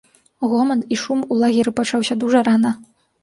Гоман і шум у лагеры пачаўся дужа рана.